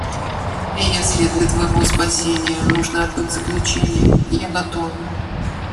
Если для твоего спасения нужно отбыть заключение, я готова.